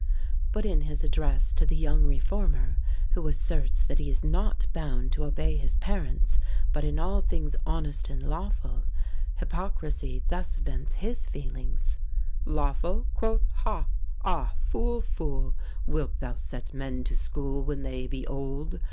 But in his address to the young reformer, who asserts that he is not bound to obey his parents but "in all things honest and lawful," Hypocrisy thus vents his feelings: Lawful, quoth ha! Ah! fool! fool! Wilt thou set men to school When they be old?